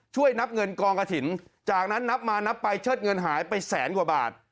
ช่วยนับเงินกองกระถิ่นจากนั้นนับมานับไปเชิดเงินหายไปแสนกว่าบาท